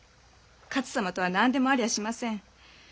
勝様とは何でもありゃしません。